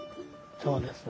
そうです。